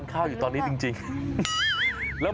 ก็ดูสิครับ